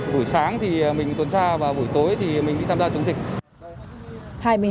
buổi sáng thì mình tuần tra vào buổi tối thì mình đi tham gia chống dịch